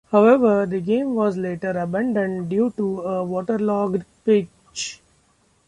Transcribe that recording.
However, the game was later abandoned due to a waterlogged pitch.